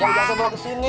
jangan kebawa ke sini